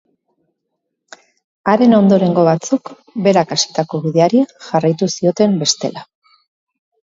Haren ondorengo batzuk berak hasitako bideari jarraitu zioten bestela.